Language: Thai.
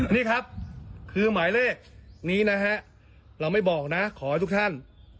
นี่ครับคือหมายเลขนี้นะฮะเราไม่บอกนะขอให้ทุกท่าน